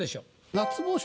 「夏帽子」